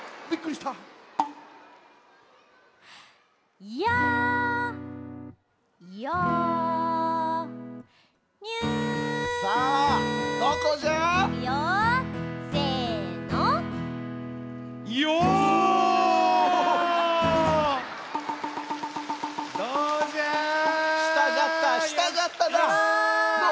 したじゃったしたじゃったな。